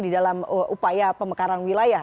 di dalam upaya pemekaran wilayah